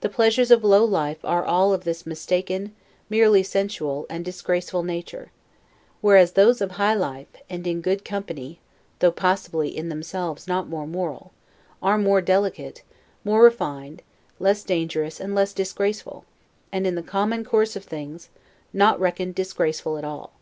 The pleasures of low life are all of this mistaken, merely sensual, and disgraceful nature; whereas, those of high life, and in good company (though possibly in themselves not more moral) are more delicate, more refined, less dangerous, and less disgraceful; and, in the common course of things, not reckoned disgraceful at all.